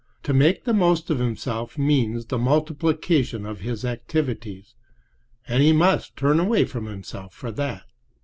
To make the most of himself means the multiplication of his activities, and he must turn away from himself for that.